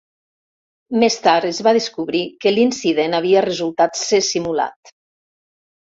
Més tard es va descobrir que l'incident havia resultat ser simulat.